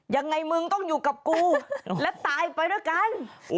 ยังไงมึงต้องอยู่กับกูและตายไปด้วยกัน